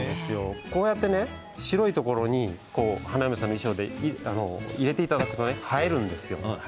白いところに花嫁さんの衣装で入れていただくとね映えるんですよね。